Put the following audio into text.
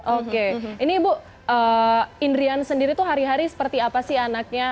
oke ini ibu indrian sendiri itu hari hari seperti apa sih anaknya